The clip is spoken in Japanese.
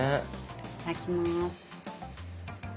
いただきます。